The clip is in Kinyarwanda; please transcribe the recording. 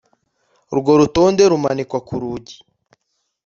urwo rutonde rumanikwa kurugi